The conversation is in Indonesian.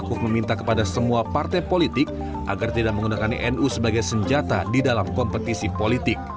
ketua umum pbnu gus yahya memohon kepada semua partai politik agar tidak menggunakan nu sebagai senjata di dalam kompetisi politik